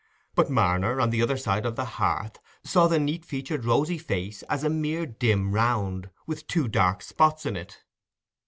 But Marner, on the other side of the hearth, saw the neat featured rosy face as a mere dim round, with two dark spots in it.